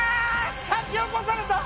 先を越された！